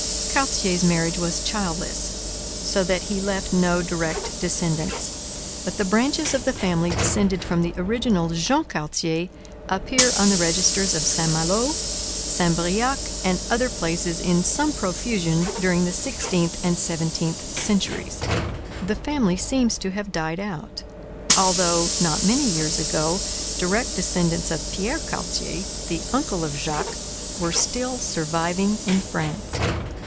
Cartier's marriage was childless, so that he left no direct descendants. But the branches of the family descended from the original Jean Cartier appear on the registers of St Malo, Saint Briac, and other places in some profusion during the sixteenth and seventeenth centuries. The family seems to have died out, although not many years ago direct descendants of Pierre Cartier, the uncle of Jacques, were still surviving in France.